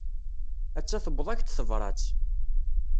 Atta tewweḍ-ak-d tebrat.